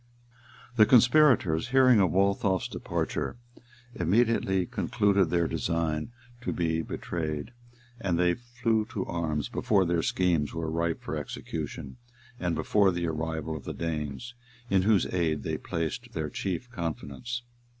] The conspirators, hearing of Waltheof's departure, immediately concluded their design to be betrayed; and they flew to arms before their schemes were ripe for execution, and before the arrival of the Danes, in whose aid they placed their chief confidence.